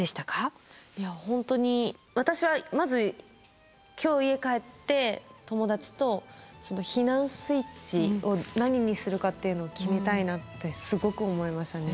いや本当に私はまず今日家帰って友達と避難スイッチを何にするかっていうのを決めたいなってすごく思いましたね。